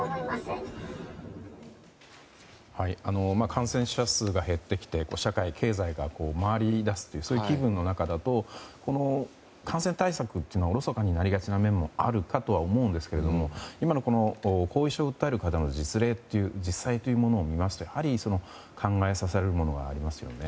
感染者数が減ってきて社会や経済が回り出すという気分の中だとこの感染対策というのがおろそかになりがちな面もあるとは思うんですけど今の後遺症を訴える方の実例、実際を見ますとやはり考えさせられるものがありますよね。